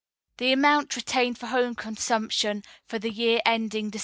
The amount retained for home consumption for the year ending Dec.